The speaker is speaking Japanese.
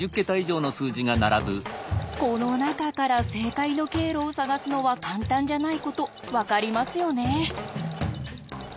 この中から正解の経路を探すのは簡単じゃないこと分かりますよね。